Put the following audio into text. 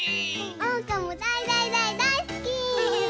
おうかもだいだいだいだいすき！